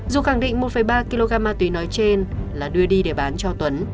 dù khẳng định một ba kg ma túy nói trên là đưa đi để bán cho tuấn